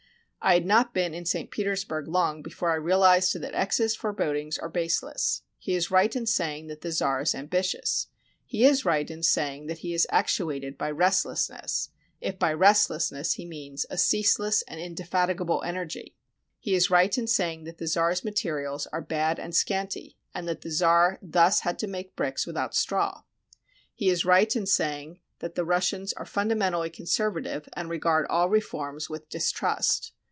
I had not been in St. Petersburg long before I reahzed that X 's forebodings are baseless. He is right in saying that the czar is ambitious. He is right in saying that he is actuated by restlessness, if by restlessness he means a ceaseless and indefatigable energy. He is right in saying that the czar's materials are bad and scanty and that the czar thus had to make bricks without straw. He is right in saying that the Russians are fun RUSSIA damentally conservative and regard all reforms with distrust.